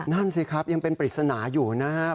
นั่นสิครับยังเป็นปริศนาอยู่นะครับ